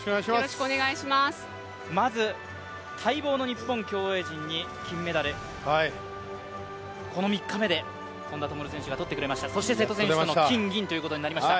まず待望の日本競泳陣に金メダル、この３日目で本多灯選手が取ってくれました、そして瀬戸選手との金銀ということになりました。